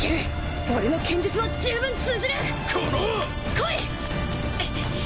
来い！